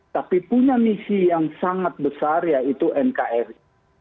tapi punya misi yang sangat besar yaitu nkri